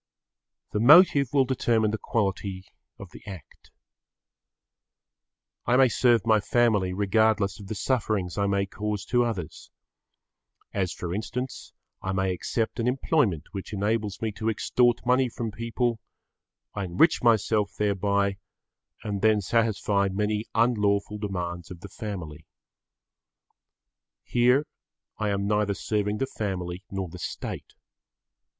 The motive will determine the quality of the act. I may serve my family regardless of the sufferings I may cause to others. As for instance, I may accept an employment which enables me to extort money from people, I enrich myself thereby and then satisfy many unlawful demands of the family. Here I am neither serving the family nor the State.